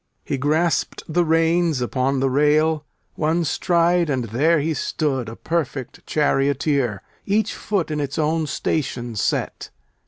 He grasped the reins upon the rail: one stride And there he stood, a perfect charioteer, Each foot in its own station set.